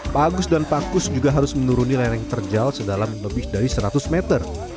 pak agus dan pak kus juga harus menuruni lereng terjal sedalam lebih dari seratus meter